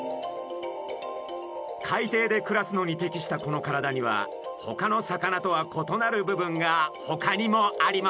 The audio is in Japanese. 海底で暮らすのに適したこの体にはほかの魚とは異なる部分がほかにもあります。